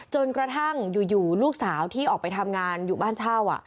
จนกระทั่งอยู่ลูกสาวที่ออกไปทำงานอยู่บ้านเช่า